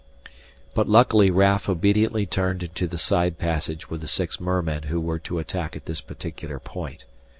But luckily Raf obediently turned into the side passage with the six mermen who were to attack at this particular point.